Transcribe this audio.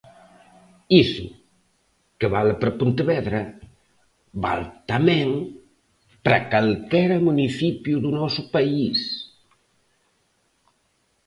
Iso, que vale para Pontevedra, vale tamén para calquera municipio do noso país.